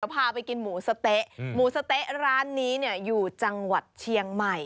พาไปกินหมูสะเต๊ะหมูสะเต๊ะร้านนี้เนี่ยอยู่จังหวัดเชียงใหม่